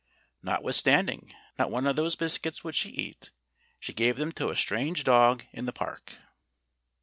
Not withstanding, not one of those biscuits would she eat. She gave them to a strange dog in the park.